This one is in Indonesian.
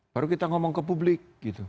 baru kita ngomong ke publik